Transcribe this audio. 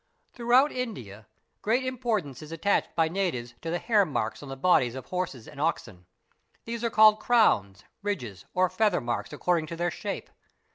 Throughout India great importance is attached by natives to the hairmarks on the bodies of horses and oxen. These are called crowns, "ridges, or feather marks according to their shape.